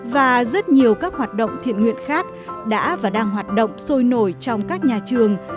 và rất nhiều các hoạt động thiện nguyện khác đã và đang hoạt động sôi nổi trong các nhà trường